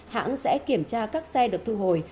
hãng sẽ kiểm tra các xe được thu hồi